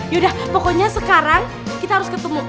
yaudah pokoknya sekarang kita harus ketemu